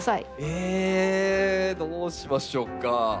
ええどうしましょうか。